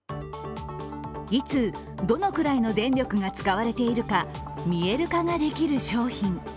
いつ、どのくらいの電力が使われているか見える化ができる商品。